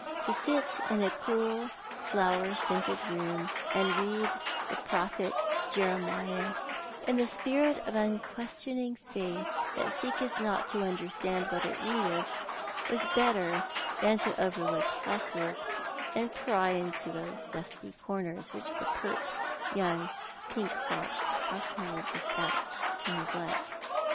To sit in a cool, flower scented room, and read the Prophet Jeremiah in the spirit of unquestioning faith that seeketh not to understand what it readeth, was better than to overlook housework, and pry into those dusty corners which the pert young pink frocked housemaid is apt to neglect.